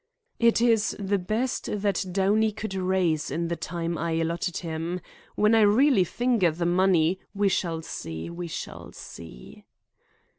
"It is the best that Downey could raise in the time I allotted him. When I really finger the money, we shall see, we shall see."